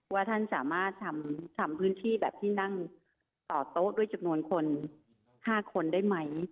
ว่าท่านสามารถทำพื้นที่แบบที่นั่งต่อโต๊ะด้วยจำนวนคน๕คนได้ไหม